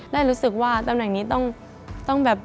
ได้รู้สึกว่าตำแหน่งนี้ต้องแบบ